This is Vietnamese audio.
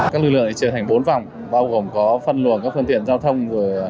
các lực lượng này trở thành bốn vòng bao gồm có phân luồng các phương tiện giao thông